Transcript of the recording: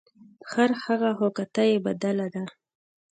ـ خرهغه خو کته یې بدله ده .